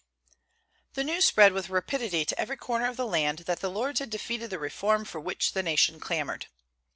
The news spread with rapidity to every corner of the land that the Lords had defeated the reform for which the nation clamored.